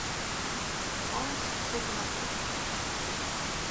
Alles sit der noch yn.